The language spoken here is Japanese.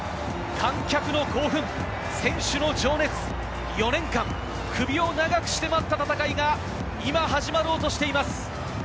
観客の興奮、選手の情熱、４年間、首を長くしてまた戦いが今、始まろうとしています！